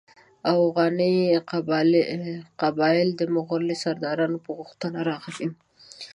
اوغاني قبایل د مغولي سردارانو په غوښتنه راغلي.